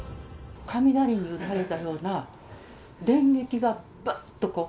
雷に打たれたような電撃が、ばっと、こう。